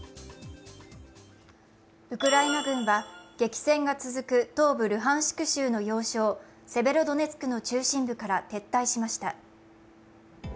ウクライナ軍は激戦が続く東部ルハンシク州の要衝セベロドネツクの中心部から撤退しました。